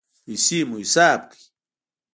پیسې مو حساب کړئ